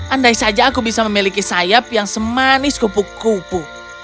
andai saja aku bisa memiliki sayap yang semanis kupu kupu